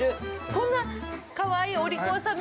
こんなかわいい、お利口さん。